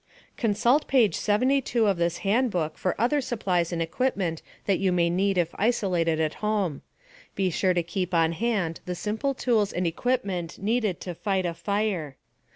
Consult page 72 of this handbook for other supplies and equipment that you may need if isolated at home. Be sure to keep on hand the simple tools and equipment needed to fight a fire.